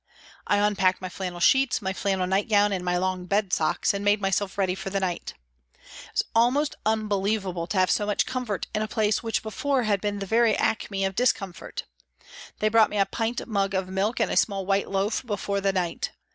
I unpacked my flannel sheets, my flannel nightgown, and my long bed socks, and made myself ready for the night. It was almost unbelievable to have so much comfort in a place which before had been the very acme of discomfort. They brought me a pint mug of milk and a small white loaf before the night.